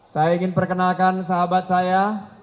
saya ingin perkenalkan sahabat saya